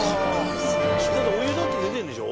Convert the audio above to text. お湯だって出てんでしょ？